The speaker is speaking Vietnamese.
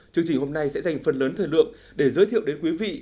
chương trình hôm nay sẽ dành phần lớn thời lượng để giới thiệu đến quý vị